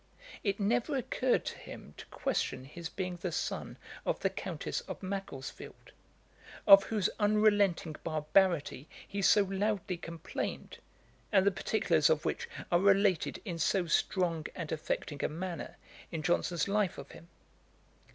It never occurred to him to question his being the son of the Countess of Macclesfield, of whose unrelenting barbarity he so loudly complained, and the particulars of which are related in so strong and affecting a manner in Johnson's life of him.